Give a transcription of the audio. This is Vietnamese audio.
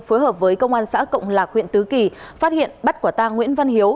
phối hợp với công an xã cộng lạc huyện tứ kỳ phát hiện bắt quả tang nguyễn văn hiếu